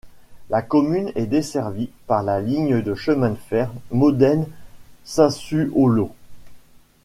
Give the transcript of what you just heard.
La commune est desservie par la ligne de chemin de fer Modène-Sassuolo.